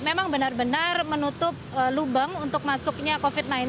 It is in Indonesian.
memang benar benar menutup lubang untuk masuknya covid sembilan belas